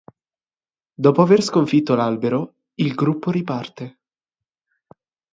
Dopo aver sconfitto l'albero, il gruppo riparte.